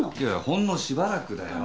ほんのしばらくだよ。